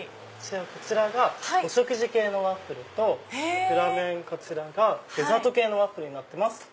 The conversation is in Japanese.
こちらがお食事系のワッフルと裏面こちらがデザート系のワッフルになってます。